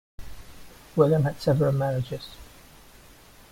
William had several marriages.